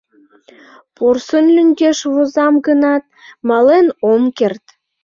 Порсын лӱҥгеш возам гынат, мален ом керт.